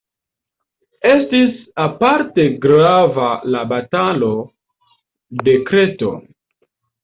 Estis aparte grava la Batalo de Kreto.